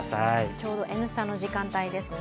ちょうど「Ｎスタ」の時間帯ですね